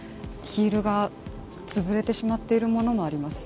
ヒールが潰れてしまっているものもあります。